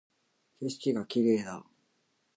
景色が綺麗だ